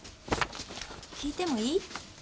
聞いてもいい？